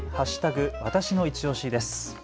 わたしのいちオシです。